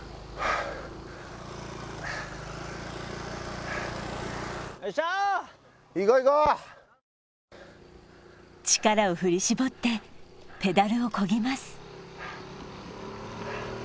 いこういこう力を振り絞ってペダルをこぎます